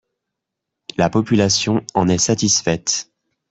La population en est satisfaite.